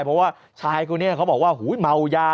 เพราะว่าชายคนนี้เขาบอกว่าเมายา